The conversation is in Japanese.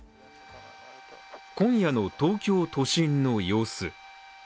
今夜の東京都心の様子。